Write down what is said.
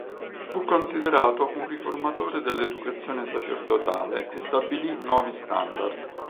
Fu considerato un riformatore dell'educazione sacerdotale e stabilì nuovi standard.